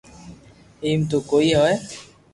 ايم تو ڪوئي ھوئي